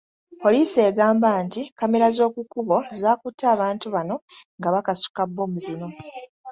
Poliisi egamba nti kkamera z’okukkubo zaakutte abantu bano nga bakasuka bbomu zino.